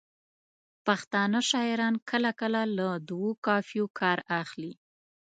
پښتانه شاعران کله کله له دوو قافیو کار اخلي.